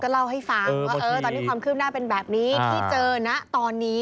เล่าให้ฟังว่าตอนนี้ความคืบหน้าเป็นแบบนี้ที่เจอนะตอนนี้